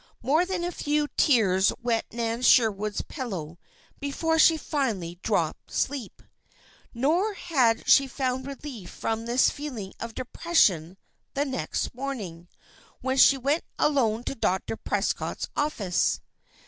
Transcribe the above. More than a few tears wet Nan Sherwood's pillow before she finally dropped asleep. Nor had she found relief from this feeling of depression the next morning, when she went alone to Dr. Prescott's office.